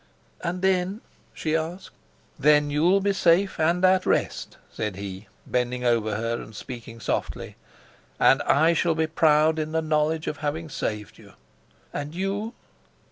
"And then?" she asked. "Then you'll be safe and at rest," said he, bending over her and speaking softly. "And I shall be proud in the knowledge of having saved you." "And you?"